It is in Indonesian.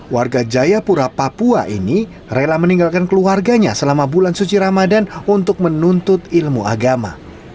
warga jayapura papua ini rela meninggalkan keluarganya selama bulan suci ramadan untuk menuntut ilmu agama